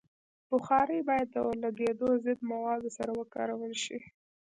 بخاري باید د اورلګیدو ضد موادو سره وکارول شي.